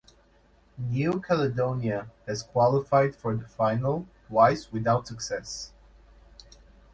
New Caledonia has qualified for the final twice without success.